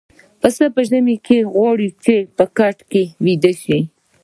پسه په ژمي کې غواړي چې په کټ کې ويده شي.